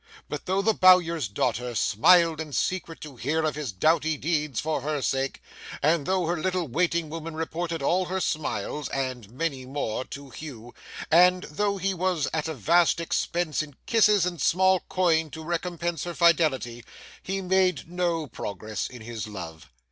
But though the Bowyer's daughter smiled in secret to hear of his doughty deeds for her sake, and though her little waiting woman reported all her smiles (and many more) to Hugh, and though he was at a vast expense in kisses and small coin to recompense her fidelity, he made no progress in his love.